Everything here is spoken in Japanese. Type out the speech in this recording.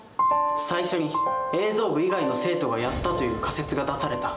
最初に映像部以外の生徒がやったという仮説が出された。